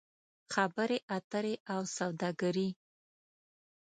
خبرې اترې او سوداګري